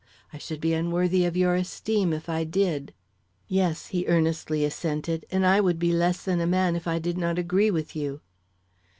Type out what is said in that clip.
I should be unworthy of your esteem if I did." "Yes," he earnestly assented, "and I would be less than a man if I did not agree with you."